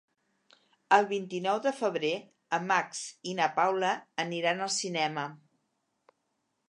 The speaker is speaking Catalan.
El vint-i-nou de febrer en Max i na Paula aniran al cinema.